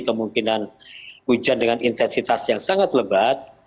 kemungkinan hujan dengan intensitas yang sangat lebat